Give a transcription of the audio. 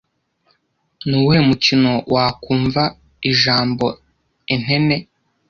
Nuwuhe mukino wakumva ijambo Intente